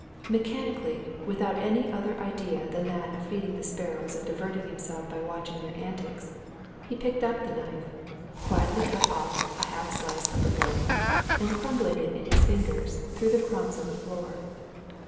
Mechanically, without any other idea than that of feeding the sparrows and diverting himself by watching their antics, he picked up the knife, quietly cut off a half slice of the loaf, and, crumbling it in his fingers, threw the crumbs on the floor.